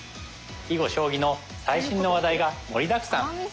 囲碁将棋の最新の話題が盛りだくさん。